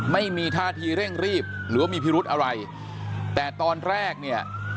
ไม่มีท่าทีเร่งรีบหรือว่ามีพิรุธอะไรแต่ตอนแรกเนี่ย